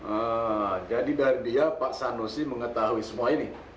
eh jadi dari dia pak sanusi mengetahui semua ini